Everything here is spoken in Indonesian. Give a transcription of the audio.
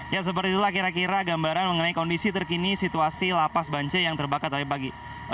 ya seperti itulah kira kira gambaran mengenai kondisi terkini situasi lapas bancai yang terbakar tadi pagi